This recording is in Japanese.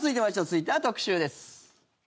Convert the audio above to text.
続いては特集です。